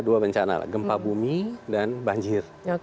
dua bencana gempa bumi dan banjir